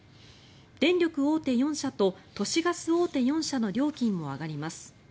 電力大手４社と都市ガス大手４社の料金も上がります。